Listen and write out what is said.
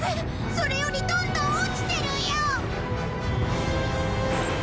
それよりどんどん落ちてるよ！